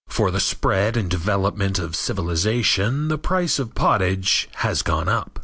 With the spread and development of civilization the price of pottage has gone up.